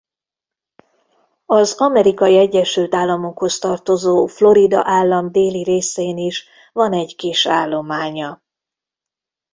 Az Amerikai Egyesült Államokhoz tartozó Florida állam déli részén is van egy kis állománya.